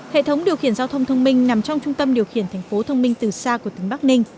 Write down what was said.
hệ thống điều khiển giao thông thông minh nằm trong trung tâm điều khiển thành phố thông minh từ xa của tỉnh bắc ninh